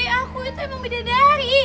aku itu emang bidadari